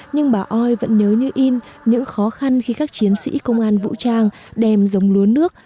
nhưng bà oi vẫn nhớ như in những khó khăn khi các chiến sĩ công an vũ trang đem dòng lúa nước